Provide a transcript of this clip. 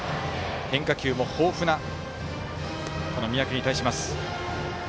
変化球も豊富な三宅に対します。